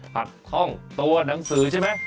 ขัดข้องตัวหนังสือใช่ไหม